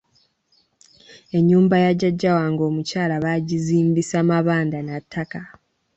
Ennyumba ya jjajja wange omukyala baagizimbisa mabanda na ttaka.